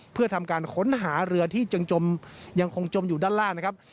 เพื่อทำการค้นหาเรือที่ยังคงจมอยู่ด้านล่างนะครับ